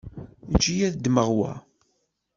Eǧǧ-iyi ad ddmeɣ wa.